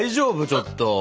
ちょっと。